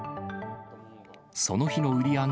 その日の売り上げ